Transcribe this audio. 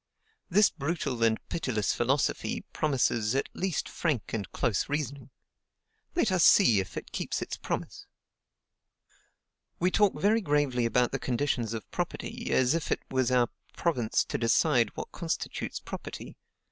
This brutal and pitiless philosophy promises at least frank and close reasoning. Let us see if it keeps its promise. "We talk very gravely about the conditions of property,... as if it was our province to decide what constitutes property....